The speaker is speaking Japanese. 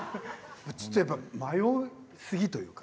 ちょっとやっぱ迷いすぎというか。